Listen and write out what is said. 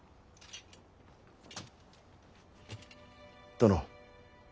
殿。